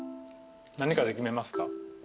何かで決めますか？